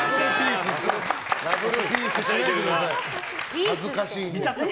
ダブルピースしないでください。